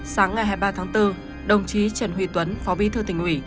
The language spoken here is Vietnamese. sáng ngày hai mươi ba tháng bốn đồng chí trần huy tuấn phó bí thư tỉnh ủy